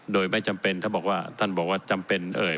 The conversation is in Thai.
โดยไม่จำเป็นถ้าบอกว่าท่านบอกว่าจำเป็นเอ่ย